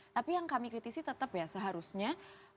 tapi yang kami kritisi tetap ya seharusnya